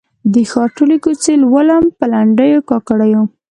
د ښار ټولي کوڅې لولم په لنډېو، کاکړیو